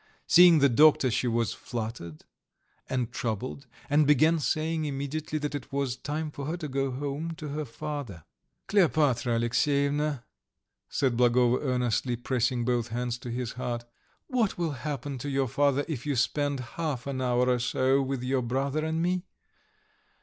Seeing the doctor she was fluttered and troubled, and began saying immediately that it was time for her to go home to her father. "Kleopatra Alexyevna," said Blagovo earnestly, pressing both hands to his heart, "what will happen to your father if you spend half an hour or so with your brother and me?"